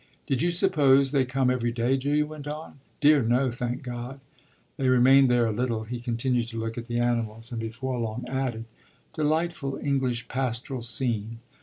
"Did you suppose they come every day?" Julia went on. "Dear no, thank God!" They remained there a little; he continued to look at the animals and before long added: "Delightful English pastoral scene.